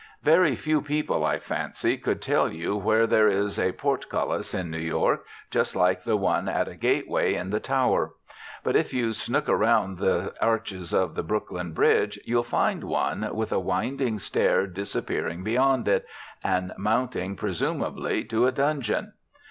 Very few people, I fancy, could tell you where there is a portcullis in New York just like the one at a gateway in The Tower. But if you snook around the arches of the Brooklyn Bridge you'll find one, with a winding stair disappearing beyond it, and mounting, presumably, to a dungeon.